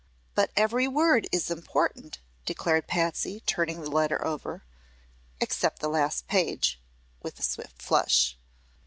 "But every word is important," declared Patsy, turning the letter over, " except the last page," with a swift flush.